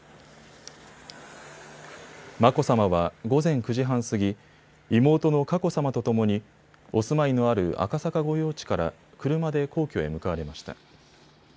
眞子さまは午前９時半過ぎ、妹の佳子さまとともにお住まいのある赤坂御用地から車で皇居へ向かわれました。